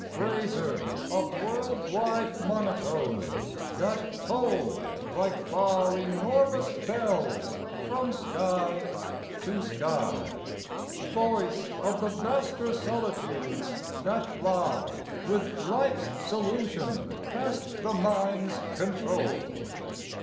Phraser of world wide monotones that toll Like far enormous bells from sky to sky, Voice of the vaster solitudes that lie With life's solution past the mind's control.